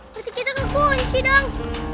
berarti kita kekunci dong